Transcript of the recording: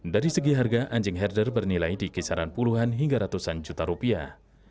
dari segi harga anjing herder bernilai di kisaran puluhan hingga ratusan juta rupiah